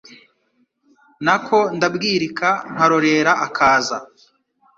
Na ko ndabwirika nkarorera akaza.